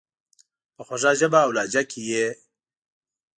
په خوږه ژبه اولهجه کي یې،